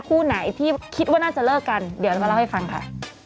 คู่ไหนที่คิดว่าน่าจะเลิกกันเดี๋ยวเรามาเล่าให้ฟังค่ะ